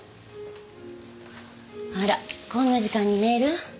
あらこんな時間にメール？